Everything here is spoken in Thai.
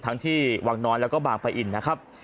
ทั้งที่วังน้อยแล้วก็บางปะอินนะครับ